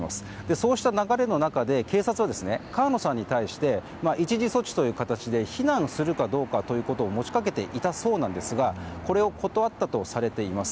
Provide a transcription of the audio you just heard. そうした流れの中で警察は川野さんに対して一時措置という形で避難するかどうかということを持ちかけていたそうなんですがこれを断ったとされています。